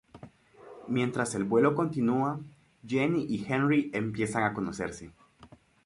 Mientras el vuelo continua, Jenny y Henry empiezan a conocerse.